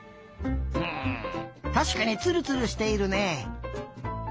うんたしかにツルツルしているね。